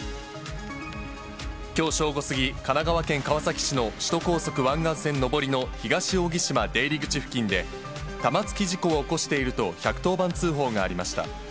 きょう正午過ぎ、神奈川県川崎市の首都高速湾岸線上りの東扇島出入口付近で、玉突き事故を起こしていると１１０番通報がありました。